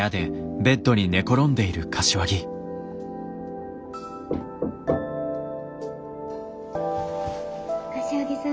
・柏木さん